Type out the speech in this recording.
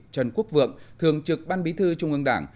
trần quốc vượng thường trực ban bí thư trung ương đảng